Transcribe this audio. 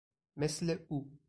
مثل او